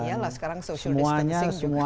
iya lah sekarang social distancing juga